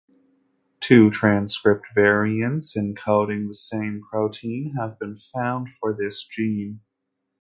Two transcript variants encoding the same protein have been found for this gene.